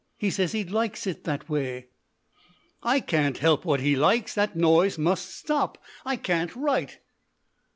He says he likes it that way." "I can't help what he likes. The noise must stop. I can't write."